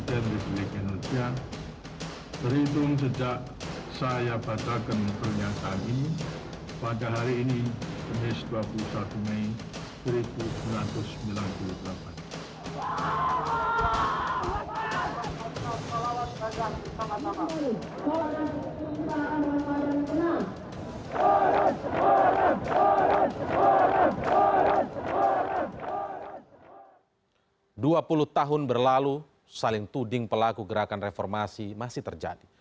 dua puluh tahun berlalu saling tuding pelaku gerakan reformasi masih terjadi